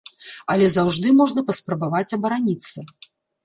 Але заўжды можна паспрабаваць абараніцца.